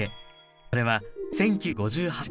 それは１９５８年。